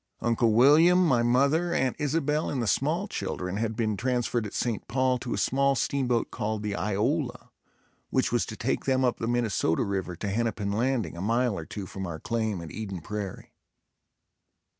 Uncle William, my mother, Aunt Isabel and the small children had been transferred at St. Paul to a small steamboat called the "Iola," which was to take them up the Minnesota river to Hennepin Landing, a mile or two from our claim at Eden Prairie.